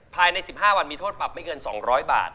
ภายใน๑๕วันมีโทษปรับไม่เกิน๒๐๐บาท